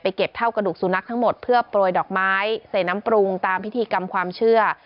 เก็บเท่ากระดูกสุนัขทั้งหมดเพื่อโปรยดอกไม้ใส่น้ำปรุงตามพิธีกรรมความเชื่อ